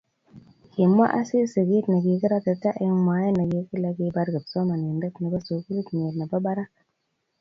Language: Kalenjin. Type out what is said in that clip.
kimwa Asisi kiit nekikiratita eng mwae nekikile kibar kipsomaninde nebo sukulitnyin nebo barak